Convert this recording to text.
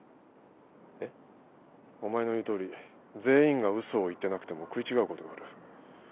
えっ？お前の言うとおり全員が嘘を言ってなくても食い違うことがある。